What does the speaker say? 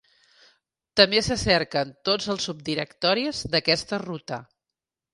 També se cerquen tots els subdirectoris d'aquesta ruta.